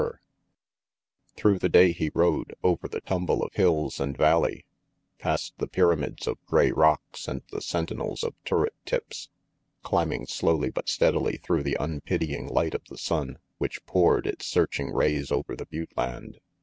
319 320 RANGY PETE Through the day he rode, over the tumble of hills and valley, past the pyramids of gray rocks and the sentinels of turret tips, climbing slowly but steadily through the unpitying light of the sun which poured its searching rays over the butte land.